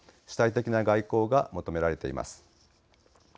主体的な外交が求められています。